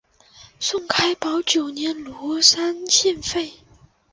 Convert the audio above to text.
宋开宝九年罗山县废。